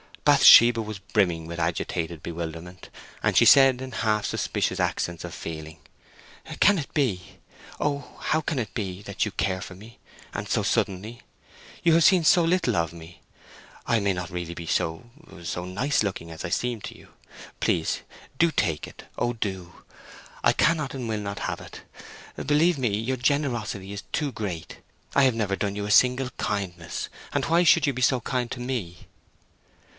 Bathsheba was brimming with agitated bewilderment, and she said, in half suspicious accents of feeling, "Can it be! Oh, how can it be, that you care for me, and so suddenly! You have seen so little of me: I may not be really so—so nice looking as I seem to you. Please, do take it; Oh, do! I cannot and will not have it. Believe me, your generosity is too great. I have never done you a single kindness, and why should you be so kind to me?"